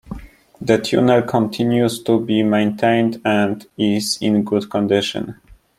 The tunnel continues to be maintained and is in good condition.